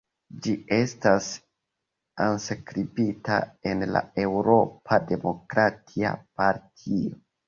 Ĝi estas enskribita en la Eŭropa Demokratia Partio.